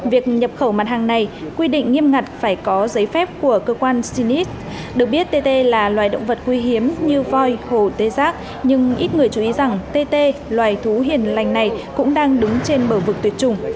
việc nhập khẩu mặt hàng này quy định nghiêm ngặt phải có giấy phép của cơ quan cnis được biết tê tê là loài động vật nguy hiếm như voi hồ tê giác nhưng ít người chú ý rằng tê tê loài thú hiền lành này cũng đang đứng trên bờ vực tuyệt chủng